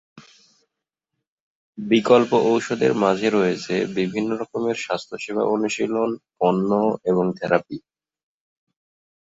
বিকল্প ঔষধের মাঝে রয়েছে বিভিন্ন রকমের স্বাস্থ্যসেবা অনুশীলন, পণ্য এবং থেরাপি।